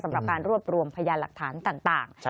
สำหรับการรวบรวมพยานหลักฐานต่าง